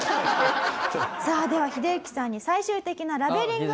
さあではヒデユキさんに最終的なラベリングを。